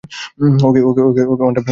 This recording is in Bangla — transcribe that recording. Okay, Wonder Woman okay থামাবে।